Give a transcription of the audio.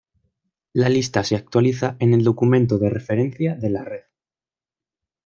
La lista se actualiza en el documento de referencia de la red.